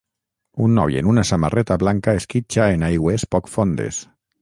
Un noi en una samarreta blanca esquitxa en aigües poc fondes.